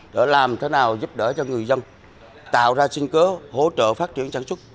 để làm thế nào giúp đỡ cho người dân tạo ra sinh cớ hỗ trợ phát triển trang trúc